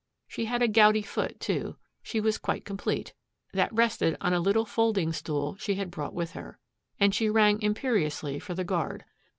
She had a gouty foot, too, she was quite complete, that rested on a little folding stool she had brought with her; and she rang imperiously for the guard.